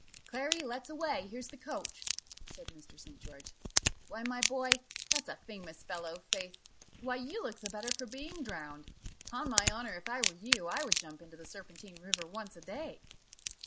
"Clary, let's away, here's the coach," said Mr. St. George. "Why, my boy that's a famous fellow, faith! why, you look the better for being drowned. 'Pon honour, if I were you, I would jump into the Serpentine river once a day."